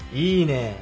いいね！